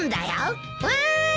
わい！